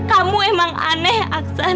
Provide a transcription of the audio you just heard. kamu memang aneh aksan